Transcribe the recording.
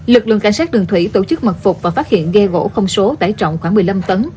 lực lượng cảnh sát đường thủy tổ chức mật phục và phát hiện ghe gỗ không số tải trọng khoảng một mươi năm tấn